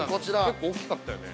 ◆結構大きかったよね。